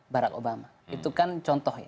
barack obama itu kan contoh ya